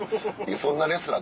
そんなレスラー